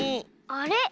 あれ？